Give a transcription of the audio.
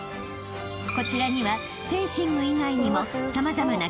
［こちらには］